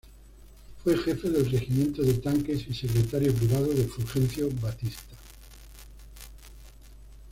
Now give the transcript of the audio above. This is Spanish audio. Fue Jefe del regimiento de Tanques y secretario privado de Fulgencio Batista.